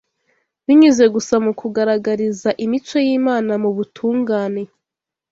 binyuze gusa mu kugaragariza imico y’Imana mu butungane